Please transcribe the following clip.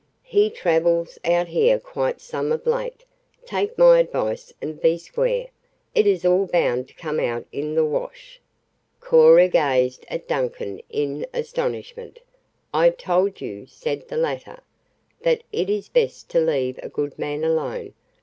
He travels out here quite some of late. Take my advice and be square. It is all bound to come out in the wash." Cora gazed at Duncan in astonishment. "I told you," said the latter, "that it is best to leave a good man alone.